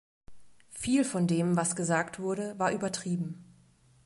Viel von dem, was gesagt wurde, war übertrieben.